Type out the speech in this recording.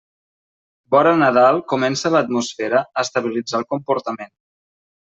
Vora Nadal comença l'atmosfera a estabilitzar el comportament.